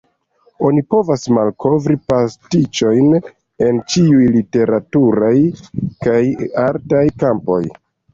Oni povas malkovri pastiĉojn en ĉiuj literaturaj kaj artaj kampoj.